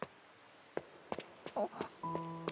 あっ。